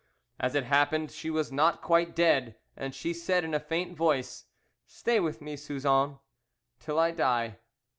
As it happened, she was not quite dead, and she said in a faint voice, 'Stay with me, Suzon, till I die.